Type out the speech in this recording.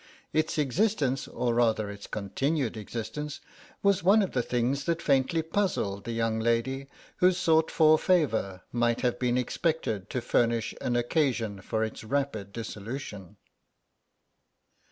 Its existence, or rather its continued existence, was one of the things that faintly puzzled the young lady whose sought for favour might have been expected to furnish an occasion for its rapid dissolution.